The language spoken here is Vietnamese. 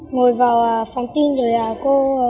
ngồi vào phòng tin rồi cô